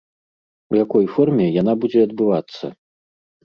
У якой форме яна будзе адбывацца?